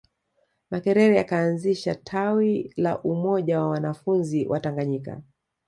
Makerere akaanzisha tawi la Umoja wa wanafunzi Watanganyika